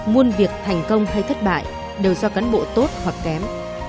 muôn việc thành công hay thất bại đều do cán bộ tốt hoặc kém